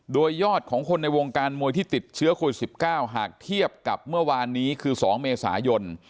โดยยอดของคนในวงการมวยที่ติดเชื้อโควิด๑๙หากเทียบกับเมื่อวานนี้คือ๒เมษายน